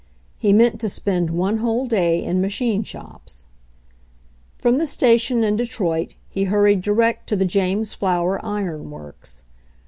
He meant to spend one whole day in machine shops. From the station in Detroit he hurried direct to the James Flower Iron Works.